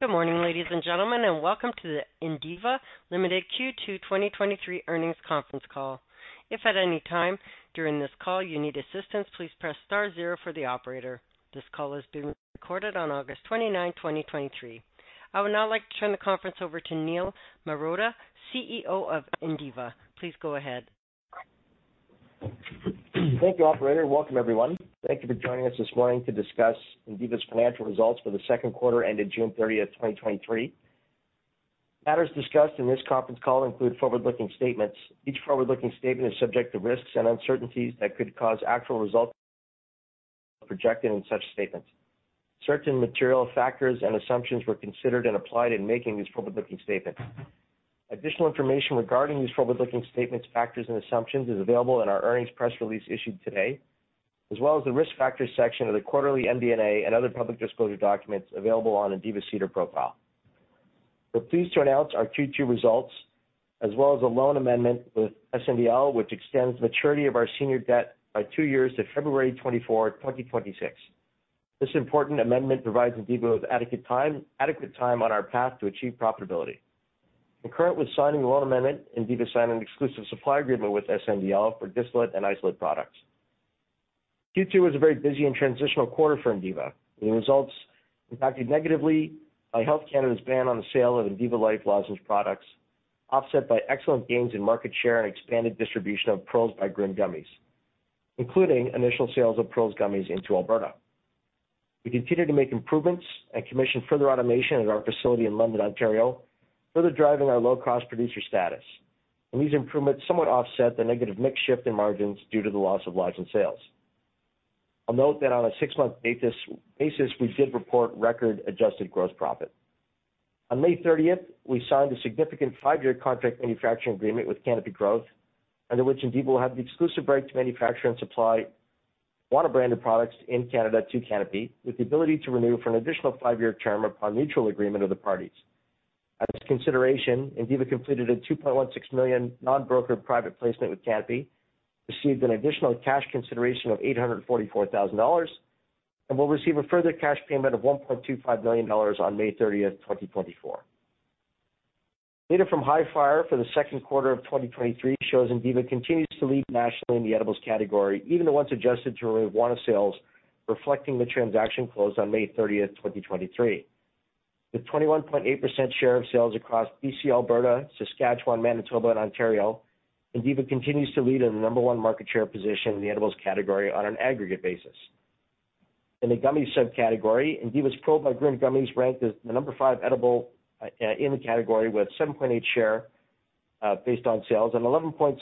Good morning, ladies and gentlemen, and welcome to the Indiva Limited Q2 2023 Earnings Conference Call. If at any time during this call you need assistance, please press star zero for the operator. This call is being recorded on August 29, 2023. I would now like to turn the conference over to Niel Marotta, CEO of Indiva. Please go ahead. Thank you, operator. Welcome, everyone. Thank you for joining us this morning to discuss Indiva's financial results for the second quarter ended June 30, 2023. Matters discussed in this conference call include forward-looking statements. Each forward-looking statement is subject to risks and uncertainties that could cause actual results to be materially different from those projected in such statements. Certain material factors and assumptions were considered and applied in making these forward-looking statements. Additional information regarding these forward-looking statements, factors, and assumptions is available in our earnings press release issued today, as well as the Risk Factors section of the quarterly MD&A and other public disclosure documents available on Indiva's SEDAR profile. We're pleased to announce our Q2 results, as well as a loan amendment with SNDL, which extends maturity of our senior debt by 2 years to February 24, 2026. This important amendment provides Indiva with adequate time, adequate time on our path to achieve profitability. Concurrently with signing the loan amendment, Indiva signed an exclusive supply agreement with SNDL for distillate and isolate products. Q2 was a very busy and transitional quarter for Indiva, and the results impacted negatively by Health Canada's ban on the sale of Indiva Life lozenge products, offset by excellent gains in market share and expanded distribution of Pearls by Grön gummies, including initial sales of Pearls gummies into Alberta. We continued to make improvements and commission further automation at our facility in London, Ontario, further driving our low-cost producer status. These improvements somewhat offset the negative mix shift in margins due to the loss of lozenge sales. I'll note that on a six-month basis, we did report record adjusted gross profit. On May 30, we signed a significant five-year contract manufacturing agreement with Canopy Growth, under which Indiva will have the exclusive right to manufacture and supply Wana-branded products in Canada to Canopy, with the ability to renew for an additional five-year term upon mutual agreement of the parties. As consideration, Indiva completed a 2.16 million non-brokered private placement with Canopy, received an additional cash consideration of 844,000 dollars, and will receive a further cash payment of 1.25 million dollars on May 30, 2024. Data from Hifyre for the second quarter of 2023 shows Indiva continues to lead nationally in the edibles category, even when adjusted to Wana sales, reflecting the transaction close on May 30, 2023. With 21.8% share of sales across BC, Alberta, Saskatchewan, Manitoba, and Ontario, Indiva continues to lead in the number one market share position in the edibles category on an aggregate basis. In the gummies subcategory, Indiva's Pearls by Grön gummies ranked as the number five edible, in the category, with 7.8% share based on sales, and 11.6%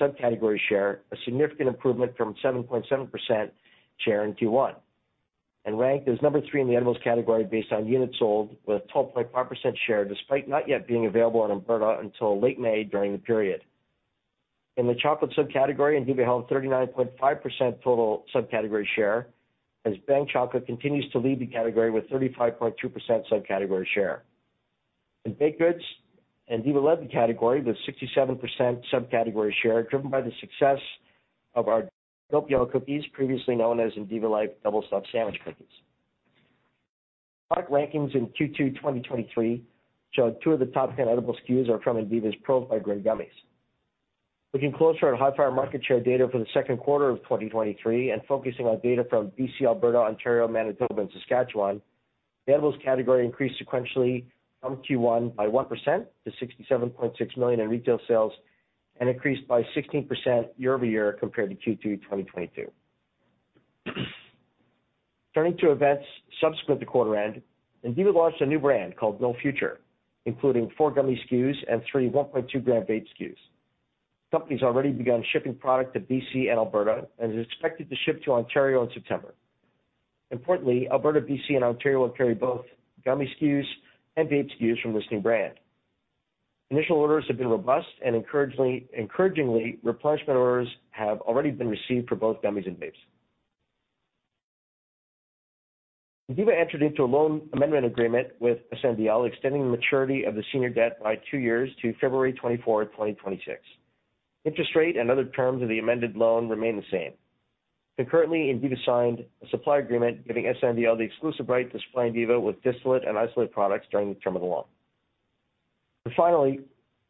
subcategory share, a significant improvement from 7.7% share in Q1, and ranked as number three in the edibles category based on units sold with 12.1% share, despite not yet being available in Alberta until late May during the period. In the chocolate subcategory, Indiva held 39.5% total subcategory share, as Bhang Chocolate continues to lead the category with 35.2% subcategory share. In baked goods, Indiva led the category with 67% subcategory share, driven by the success of our Doppio cookies, previously known as Indiva Life Double Stuffed Sandwich cookies. Product rankings in Q2 2023 showed two of the top 10 edible SKUs are from Indiva's Pearls by Grön gummies. Looking closer at Hifyre market share data for the second quarter of 2023 and focusing on data from BC, Alberta, Ontario, Manitoba, and Saskatchewan, the edibles category increased sequentially from Q1 by 1% to 67.6 million in retail sales and increased by 16% year-over-year compared to Q2 2022. Turning to events subsequent to quarter end, Indiva launched a new brand called No Future, including four gummy SKUs and three 1.2g vape SKUs. Company has already begun shipping product to BC and Alberta and is expected to ship to Ontario in September. Importantly, Alberta, BC, and Ontario will carry both gummy SKUs and vape SKUs from this new brand. Initial orders have been robust and, encouragingly, replenishment orders have already been received for both gummies and vapes. Indiva entered into a loan amendment agreement with SNDL, extending the maturity of the senior debt by two years to February 24, 2026. Interest rate and other terms of the amended loan remain the same. Concurrently, Indiva signed a supply agreement, giving SNDL the exclusive right to supply Indiva with distillate and isolate products during the term of the loan. Finally,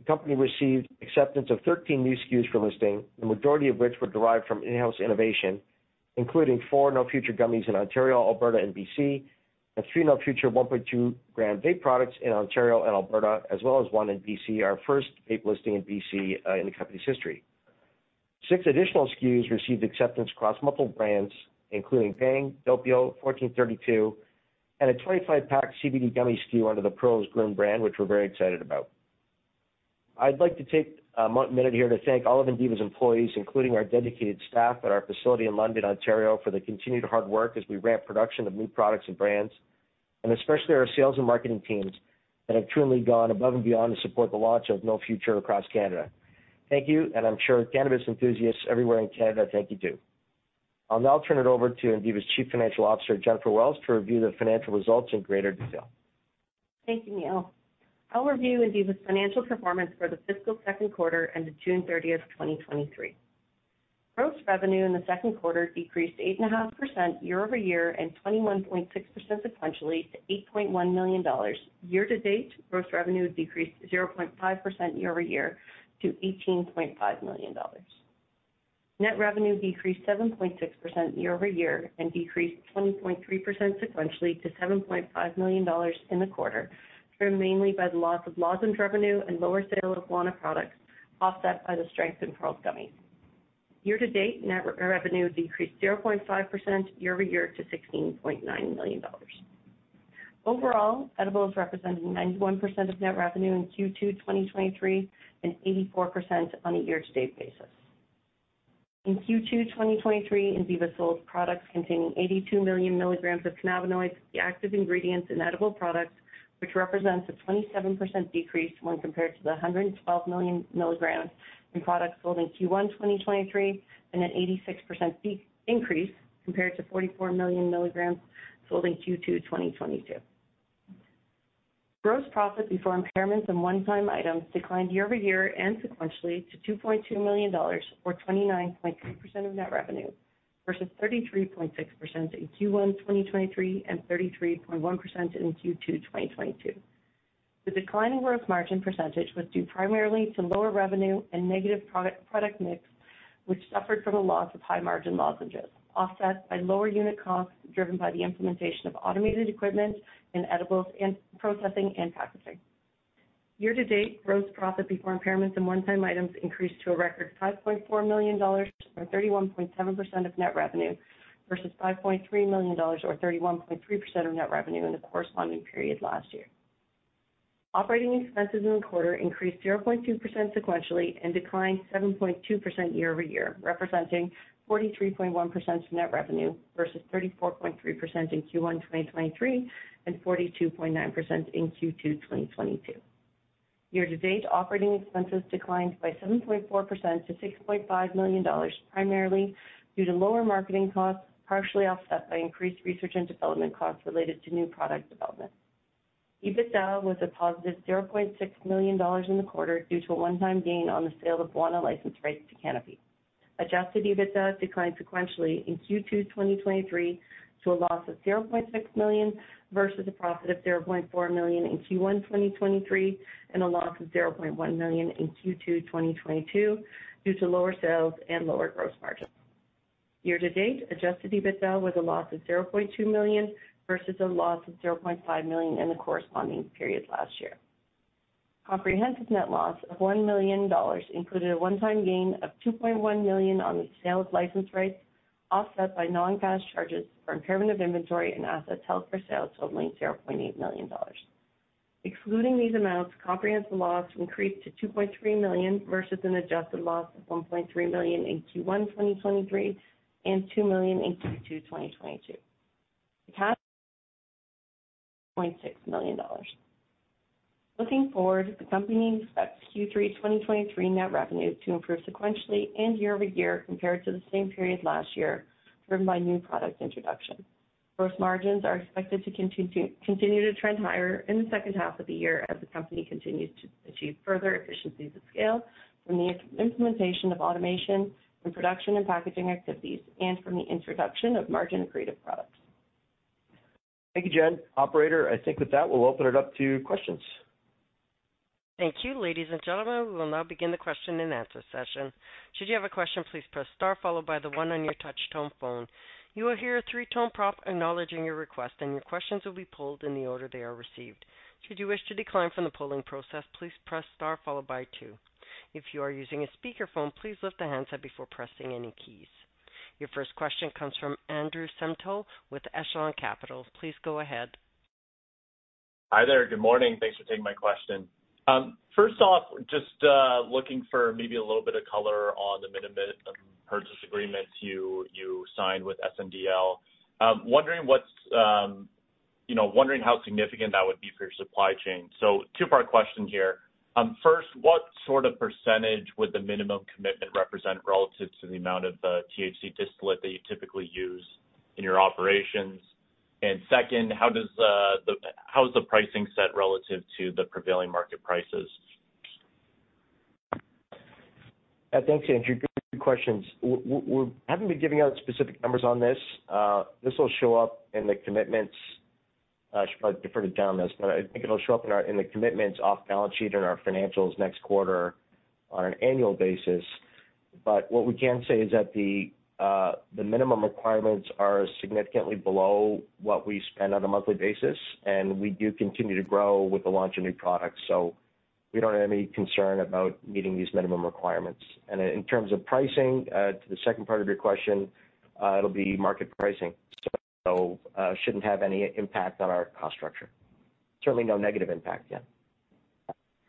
the company received acceptance of 13 new SKUs for listing, the majority of which were derived from in-house innovation, including four No Future gummies in Ontario, Alberta, and BC, and three No Future 1.2g vape products in Ontario and Alberta, as well as one in BC, our first vape listing in BC, in the company's history. Six additional SKUs received acceptance across multiple brands, including Bhang, Doppio, 1432, and a 25-pack CBD gummies SKU under the Pearls by Grön brand, which we're very excited about. I'd like to take a minute here to thank all of Indiva's employees, including our dedicated staff at our facility in London, Ontario, for their continued hard work as we ramp production of new products and brands, and especially our sales and marketing teams that have truly gone above and beyond to support the launch of No Future across Canada. Thank you, and I'm sure cannabis enthusiasts everywhere in Canada thank you, too. I'll now turn it over to Indiva's Chief Financial Officer, Jennifer Welsh, to review the financial results in greater detail. Thank you, Niel. I'll review Indiva's financial performance for the fiscal second quarter and the June 30, 2023. Gross revenue in the second quarter decreased 8.5% year-over-year, and 21.6% sequentially to 8.1 million dollars. Year to date, gross revenue decreased 0.5% year-over-year to 18.5 million dollars. Net revenue decreased 7.6% year-over-year and decreased 20.3% sequentially to 7.5 million dollars in the quarter, driven mainly by the loss of lozenge revenue and lower sale of Wana products, offset by the strength in Pearls gummies. Year to date, net revenue decreased 0.5% year-over-year to 16.9 million dollars. Overall, edibles represented 91% of net revenue in Q2 2023, and 84% on a year-to-date basis. In Q2 2023, Indiva sold products containing 82 million milligrams of cannabinoids, the active ingredients in edible products, which represents a 27% decrease when compared to the 112 million milligrams in products sold in Q1 2023, and an 86% decrease compared to 44 million milligrams sold in Q2 2022. Gross profit before impairments and one-time items declined year-over-year and sequentially to 2.2 million dollars, or 29.3% of net revenue, versus 33.6% in Q1 2023 and 33.1% in Q2 2022. The decline in gross margin percentage was due primarily to lower revenue and negative product mix, which suffered from a loss of high-margin lozenges, offset by lower unit costs, driven by the implementation of automated equipment in edibles and processing and packaging. Year to date, gross profit before impairments and one-time items increased to a record 5.4 million dollars, or 31.7% of net revenue, versus 5.3 million dollars, or 31.3% of net revenue in the corresponding period last year. Operating expenses in the quarter increased 0.2% sequentially and declined 7.2% year-over-year, representing 43.1% of net revenue versus 34.3% in Q1 2023 and 42.9% in Q2 2022. Year to date, operating expenses declined by 7.4% to 6.5 million dollars, primarily due to lower marketing costs, partially offset by increased research and development costs related to new product development. EBITDA was 0.6 million dollars in the quarter due to a one-time gain on the sale of Wana license rights to Canopy. Adjusted EBITDA declined sequentially in Q2 2023 to a loss of 0.6 million, versus a profit of 0.4 million in Q1 2023 and a loss of 0.1 million in Q2 2022, due to lower sales and lower gross margins. Year to date, adjusted EBITDA was a loss of 0.2 million, versus a loss of 0.5 million in the corresponding period last year. Comprehensive net loss of 1 million dollars included a one-time gain of 2.1 million on the sale of license rights, offset by non-cash charges for impairment of inventory and assets held for sale, totaling 0.8 million dollars. Excluding these amounts, comprehensive loss increased to 2.3 million versus an adjusted loss of 1.3 million in Q1 2023 and 2 million in Q2 2022. The cash 0.6 million dollars. Looking forward, the company expects Q3 2023 net revenue to improve sequentially and year-over-year compared to the same period last year, driven by new product introduction. Gross margins are expected to continue to trend higher in the second half of the year as the company continues to achieve further efficiencies of scale from the implementation of automation in production and packaging activities and from the introduction of margin-accretive products. Thank you, Jen. Operator, I think with that, we'll open it up to questions. Thank you, ladies and gentlemen. We will now begin the question-and-answer session. Should you have a question, please press star followed by the one on your touch tone phone. You will hear a three-tone prompt acknowledging your request, and your questions will be pulled in the order they are received. Should you wish to decline from the polling process, please press star followed by two. If you are using a speakerphone, please lift the handset before pressing any keys. Your first question comes from Andrew Semple with Echelon Capital. Please go ahead. Hi there. Good morning. Thanks for taking my question. First off, just, looking for maybe a little bit of color on the minimum purchase agreements you signed with SNDL. Wondering what's, you know, wondering how significant that would be for your supply chain. So two-part question here. First, what sort of percentage would the minimum commitment represent relative to the amount of, THC distillate that you typically use in your operations? And second, how is the pricing set relative to the prevailing market prices? Thanks, Andrew. Good questions. We're haven't been giving out specific numbers on this. This will show up in the commitments. I should probably defer to Dan this, but I think it'll show up in our in the commitments off balance sheet in our financials next quarter on an annual basis. But what we can say is that the minimum requirements are significantly below what we spend on a monthly basis, and we do continue to grow with the launch of new products, so we don't have any concern about meeting these minimum requirements. And in terms of pricing, to the second part of your question, it'll be market pricing. So, shouldn't have any impact on our cost structure. Certainly no negative impact, yeah.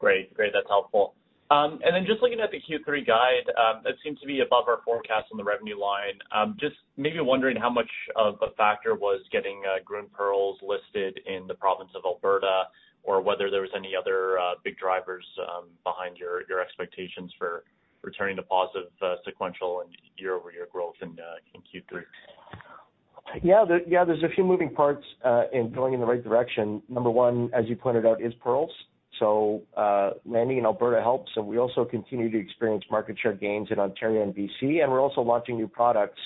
Great. Great, that's helpful. And then just looking at the Q3 guide, that seems to be above our forecast on the revenue line. Just maybe wondering how much of a factor was getting, Grön Pearls listed in the province of Alberta, or whether there was any other, big drivers, behind your, your expectations for returning to positive, sequential and year-over-year growth in, in Q3? Yeah, there, yeah, there's a few moving parts in going in the right direction. Number one, as you pointed out, is Pearls. So, landing in Alberta helps, and we also continue to experience market share gains in Ontario and BC, and we're also launching new products.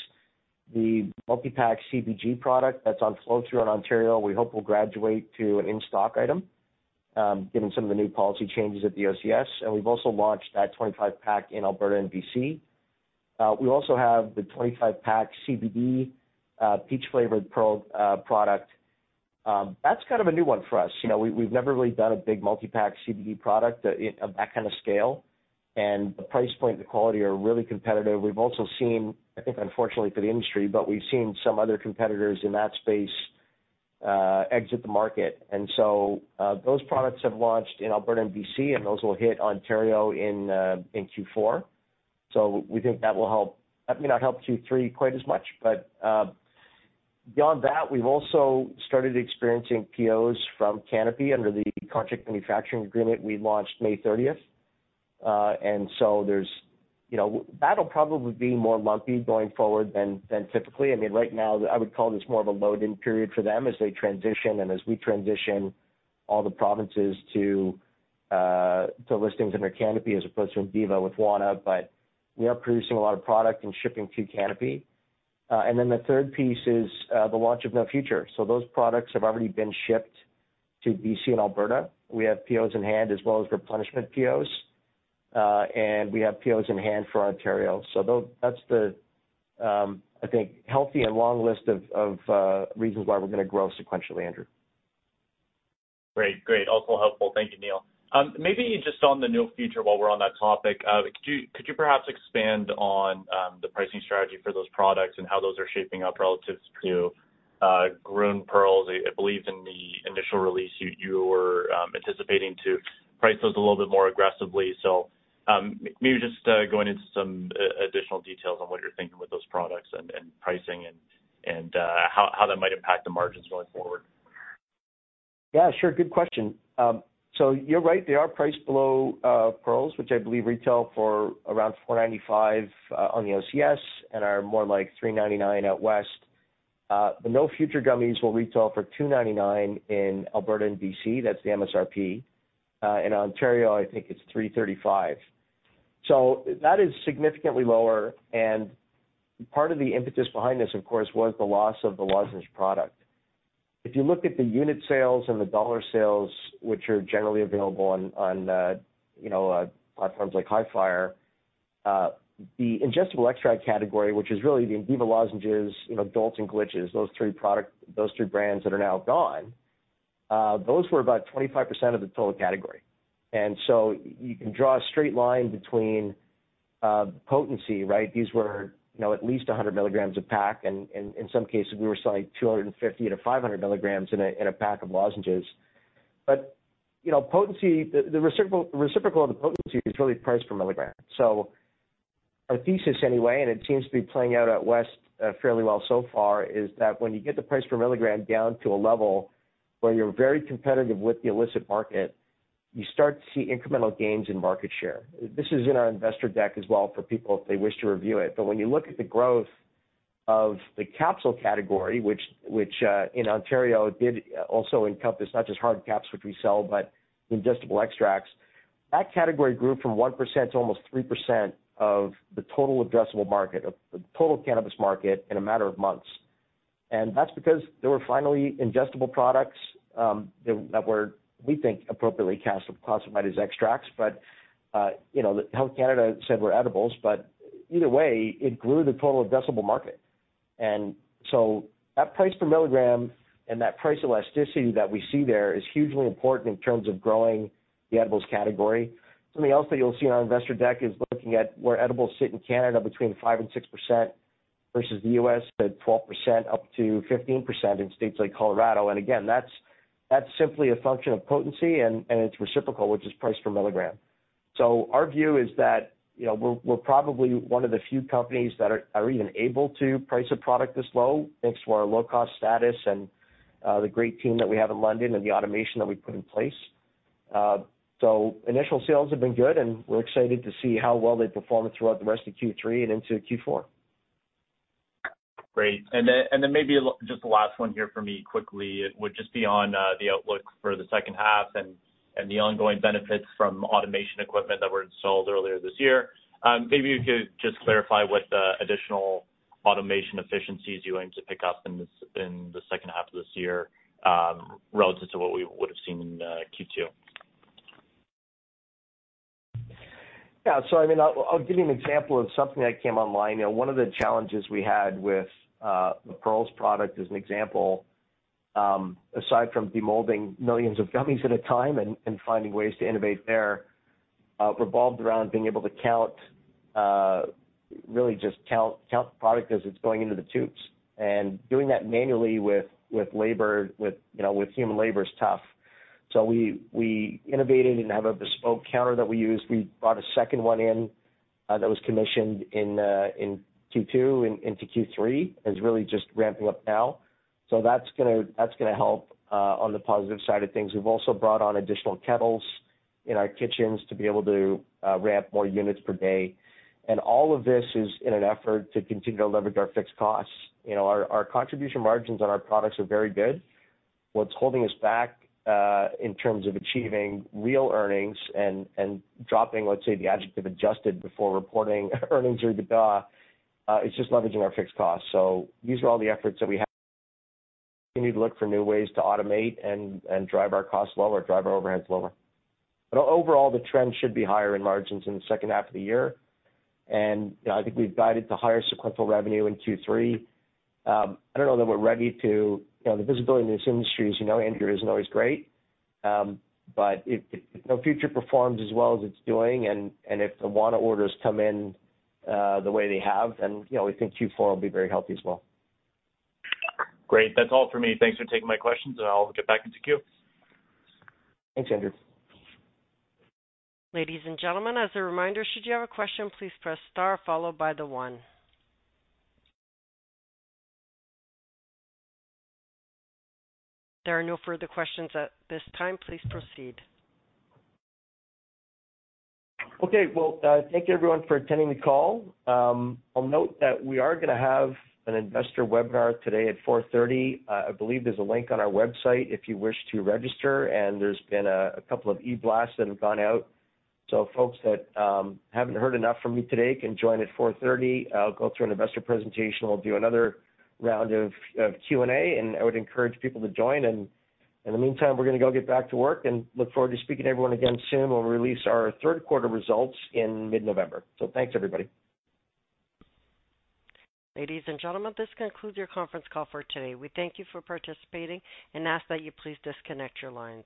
The multipack CBG product that's on flow-through in Ontario, we hope will graduate to an in-stock item, given some of the new policy changes at the OCS, and we've also launched that 25-pack in Alberta and BC. We also have the 25-pack CBD, peach-flavored Pearl, product. That's kind of a new one for us. You know, we, we've never really done a big multi-pack CBD product, in, of that kind of scale, and the price point and the quality are really competitive. We've also seen, I think, unfortunately for the industry, but we've seen some other competitors in that space exit the market. So those products have launched in Alberta and BC, and those will hit Ontario in Q4. So we think that will help. That may not help Q3 quite as much, but beyond that, we've also started experiencing POs from Canopy under the contract manufacturing agreement we launched May 30. You know, that'll probably be more lumpy going forward than typically. I mean, right now, I would call this more of a load-in period for them as they transition and as we transition all the provinces to listings under Canopy, as opposed to Indiva with Wana. But we are producing a lot of product and shipping to Canopy. And then the third piece is the launch of No Future. So those products have already been shipped to BC and Alberta. We have POs in hand, as well as replenishment POs, and we have POs in hand for Ontario. So that's the, I think, healthy and long list of reasons why we're gonna grow sequentially, Andrew. Great, great. Also helpful. Thank you, Niel. Maybe just on the No Future, while we're on that topic, could you, could you perhaps expand on the pricing strategy for those products and how those are shaping up relative to Grön Pearls? I believe in the initial release, you were anticipating to price those a little bit more aggressively. So, maybe just going into some additional details on what you're thinking with those products and pricing and how that might impact the margins going forward. Yeah, sure. Good question. So you're right, they are priced below Pearls, which I believe retail for around 4.95 on the OCS and are more like 3.99 out west. The No Future gummies will retail for 2.99 in Alberta and BC, that's the MSRP. In Ontario, I think it's 3.35. So that is significantly lower, and part of the impetus behind this, of course, was the loss of the lozenge product. If you look at the unit sales and the dollar sales, which are generally available on platforms like Hifyre, the ingestible extract category, which is really the Indiva lozenges, you know, Jolts and Glitches, those three brands that are now gone, those were about 25% of the total category. You can draw a straight line between potency, right? These were, you know, at least 100 milligrams a pack, and in some cases, we were selling 250 milligrams-500 milligrams in a pack of lozenges. But, you know, potency, the reciprocal of the potency is really price per milligram. So our thesis, anyway, and it seems to be playing out best fairly well so far, is that when you get the price per milligram down to a level where you're very competitive with the illicit market, you start to see incremental gains in market share. This is in our investor deck as well for people if they wish to review it. But when you look at the growth of the capsule category, which in Ontario did also encompass not just hard caps, which we sell, but ingestible extracts. That category grew from 1% to almost 3% of the total addressable market, of the total cannabis market, in a matter of months. And that's because there were finally ingestible products that were, we think, appropriately classified as extracts. But you know, Health Canada said were edibles, but either way, it grew the total addressable market. And so that price per milligram and that price elasticity that we see there is hugely important in terms of growing the edibles category. Something else that you'll see in our investor deck is looking at where edibles sit in Canada, between 5% and 6%, versus the U.S., at 12%, up to 15% in states like Colorado. And again, that's simply a function of potency and its reciprocal, which is price per milligram. So our view is that, you know, we're probably one of the few companies that are even able to price a product this low, thanks to our low-cost status and the great team that we have in London and the automation that we put in place. So initial sales have been good, and we're excited to see how well they perform throughout the rest of Q3 and into Q4. Great. And then maybe just the last one here for me quickly, it would just be on the outlook for the second half and the ongoing benefits from automation equipment that were installed earlier this year. Maybe you could just clarify what the additional automation efficiencies you aim to pick up in this, in the second half of this year, relative to what we would have seen in Q2. Yeah. So I mean, I'll give you an example of something that came online. You know, one of the challenges we had with the Pearls product, as an example, aside from demolding millions of gummies at a time and finding ways to innovate there, revolved around being able to count, really just count the product as it's going into the tubes. And doing that manually with labor, with, you know, with human labor is tough. So we innovated and have a bespoke counter that we use. We brought a second one in, that was commissioned in Q2 into Q3, and it's really just ramping up now. So that's gonna help on the positive side of things. We've also brought on additional kettles in our kitchens to be able to ramp more units per day. All of this is in an effort to continue to leverage our fixed costs. You know, our contribution margins on our products are very good. What's holding us back in terms of achieving real earnings and dropping, let's say, the adjective adjusted before reporting earnings or EBITDA is just leveraging our fixed costs. So these are all the efforts that we have. We need to look for new ways to automate and drive our costs lower, drive our overheads lower. But overall, the trend should be higher in margins in the second half of the year, and I think we've guided to higher sequential revenue in Q3. I don't know that we're ready to, you know, the visibility in this industry, as you know, Andrew, isn't always great, but if the future performs as well as it's doing, and if the Wana orders come in the way they have, then, you know, we think Q4 will be very healthy as well. Great. That's all for me. Thanks for taking my questions, and I'll get back into queue. Thanks, Andrew. Ladies and gentlemen, as a reminder, should you have a question, please press star followed by the one. There are no further questions at this time. Please proceed. Okay. Well, thank you everyone for attending the call. I'll note that we are gonna have an investor webinar today at 4:30P.M. I believe there's a link on our website if you wish to register, and there's been a couple of e-blasts that have gone out. So folks that haven't heard enough from me today can join at 4:30P.M. I'll go through an investor presentation. We'll do another round of Q&A, and I would encourage people to join. And in the meantime, we're gonna go get back to work and look forward to speaking to everyone again soon when we release our third quarter results in mid-November. So thanks, everybody. Ladies and gentlemen, this concludes your Conference Call for today. We thank you for participating and ask that you please disconnect your lines.